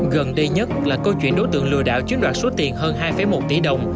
gần đây nhất là câu chuyện đối tượng lừa đảo chiếm đoạt số tiền hơn hai một tỷ đồng